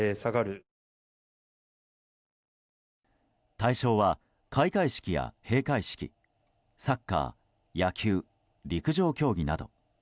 対象は、開会式や閉会式サッカー、野球、陸上競技など。